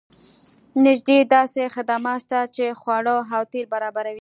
نږدې داسې خدمات شته چې خواړه او تیل برابروي